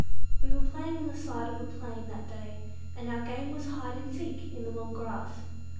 We were playing on the side of a plain that day, and our game was hide and seek in the long grass.